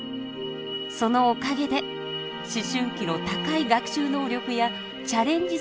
そのおかげで思春期の高い学習能力やチャレンジ